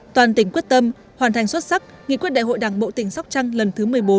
toàn tỉnh quyết tâm hoàn thành xuất sắc nghị quyết đại hội đảng bộ tỉnh sóc trăng lần thứ một mươi bốn